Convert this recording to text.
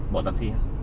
bỏ taxi hả